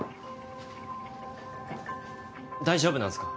大丈夫なんすか？